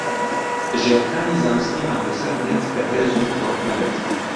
ژێرخانی زانستیمان لەسەر نێت بەهێز و تۆکمە بێت